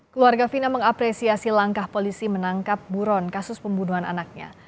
keluarga fina mengapresiasi langkah polisi menangkap buron kasus pembunuhan anaknya